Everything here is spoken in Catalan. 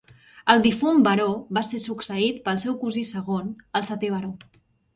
El difunt baró va ser succeït pel seu cosí segon, el setè baró.